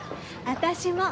私も。